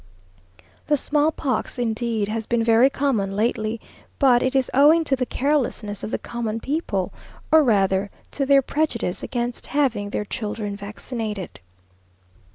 The smallpox indeed has been very common lately, but it is owing to the carelessness of the common people, or rather to their prejudice against having their children vaccinated.